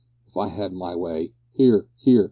If I had my way," (Hear! hear!